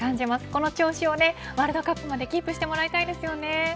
この調子をワールドカップまでキープしてもらいたいですよね。